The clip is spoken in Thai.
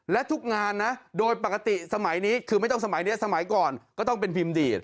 และทุกงานนะโดยปกติสมัยนี้คือไม่ต้องสมัยนี้สมัยก่อนก็ต้องเป็นพิมพ์ดีด